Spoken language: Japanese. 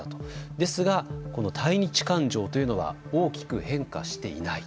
ですが、この対日感情というのは大きく変化していない。